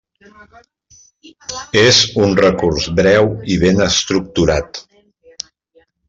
És un recurs breu i ben estructurat.